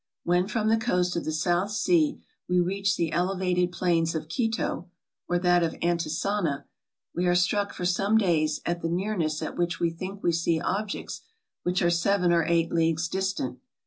When from the coast of the South Sea we reach the elevated plains of Quito, or that of Antisana, we are struck for some days at the nearness at which we think we see objects which are seven or eight leagues distant.